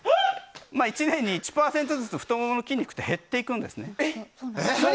１年に１％ずつ太ももの筋肉って減っていくんですね。